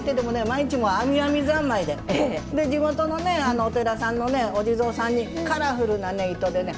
毎日編み編み三昧でで地元のねお寺さんのねお地蔵さんにカラフルなね糸でね